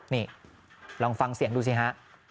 นี่ลองฟังเสียงดูสิฮะ